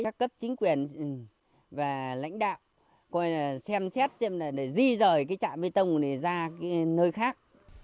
các cấp chính quyền và lãnh đạo xem xét để di rời cái trạm bê tông này ra nơi khác